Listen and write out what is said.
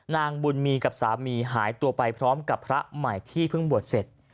นางบุญมีกับสามีหายตัวไปพร้อมกับพระใหม่ที่เพิ่งบวชเสร็จ